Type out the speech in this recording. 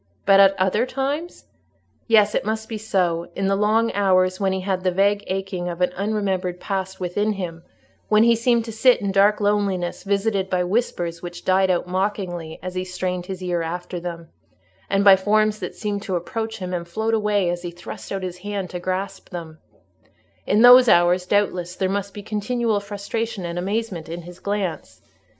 But at other times? Yes, it must be so: in the long hours when he had the vague aching of an unremembered past within him—when he seemed to sit in dark loneliness, visited by whispers which died out mockingly as he strained his ear after them, and by forms that seemed to approach him and float away as he thrust out his hand to grasp them—in those hours, doubtless, there must be continual frustration and amazement in his glance.